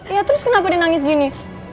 ya terus kenapa dia nangis gini